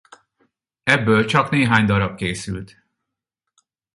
Ebből csak néhány darab készült.